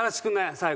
最後。